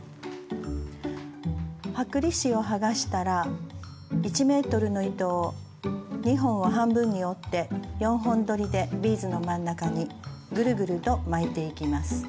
剥離紙を剥がしたら１ｍの糸を２本を半分に折って４本どりでビーズの真ん中にぐるぐると巻いていきます。